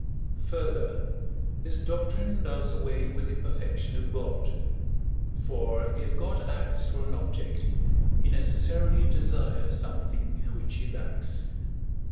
Further, this doctrine does away with the perfection of God: for, if God acts for an object, he necessarily desires something which he lacks.